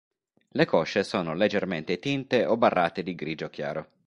Le cosce sono leggermente tinte o barrate di grigio chiaro.